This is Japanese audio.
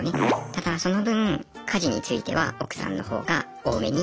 ただその分家事については奥さんの方が多めに。